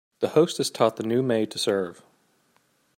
The hostess taught the new maid to serve.